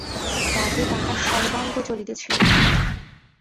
– রাগে তাঁহার সর্বাঙ্গ জ্বলিতেছিল।